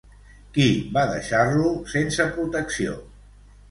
Qui va deixar-lo sense protecció?